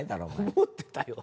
思ってたよ。